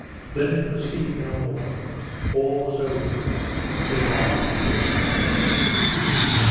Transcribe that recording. Then it was seen no more all was over the bark had gained the sea.